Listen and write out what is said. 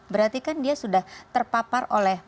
berarti kan dia sudah terpapar oleh